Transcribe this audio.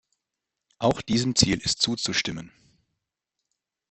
Auch diesem Ziel ist zuzustimmen.